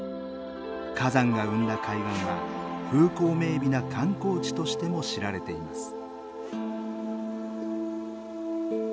火山が生んだ海岸は風光明美な観光地としても知られています。